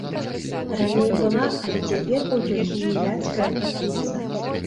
Раней была, але цяпер у ёй уніяцкая капліца.